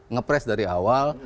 ngepress dari awal